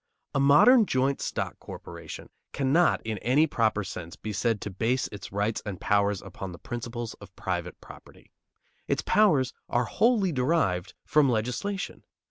A modern joint stock corporation cannot in any proper sense be said to base its rights and powers upon the principles of private property. Its powers are wholly derived from legislation.